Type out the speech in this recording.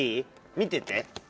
見てて。